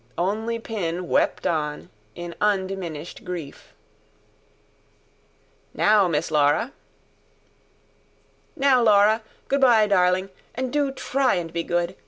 Only Pin wept on, in undiminished grief. "Now, Miss Laura." "Now, Laura. Good bye, darling. And do try and be good.